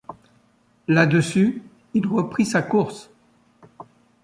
Là-dessus, il reprit sa course.